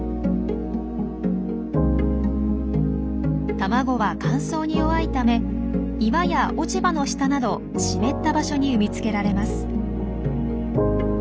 卵は乾燥に弱いため岩や落ち葉の下など湿った場所に産み付けられます。